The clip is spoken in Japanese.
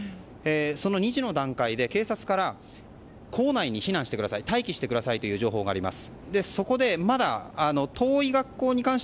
その２時の段階で警察から校内に避難してください待機してくださいという情報があります。